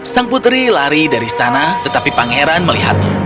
sang putri lari dari sana tetapi pangeran melihatnya